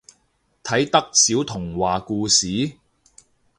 睇得少童話故事？